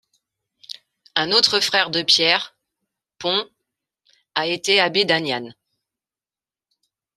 Un autre frère de Pierre, Pons, a été abbé d'Aniane.